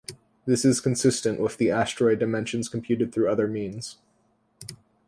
This is consistent with the asteroid dimensions computed through other means.